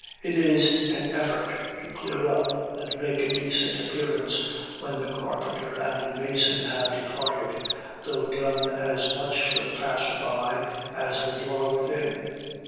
It is an effort to clear up and make a decent appearance when the carpenter and mason have departed, though done as much for the passer by as the dweller within.